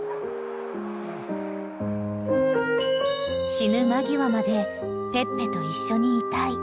［死ぬ間際までペッペと一緒にいたい］